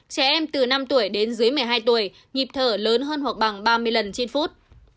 trẻ em từ năm tuổi đến dưới một mươi hai tuổi nhịp thở lớn hơn hoặc bằng ba mươi lần trên phút